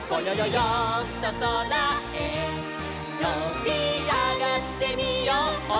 よんとそらへとびあがってみよう」